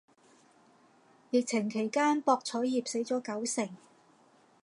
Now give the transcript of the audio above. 疫情期間博彩業死咗九成